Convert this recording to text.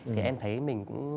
thì em thấy mình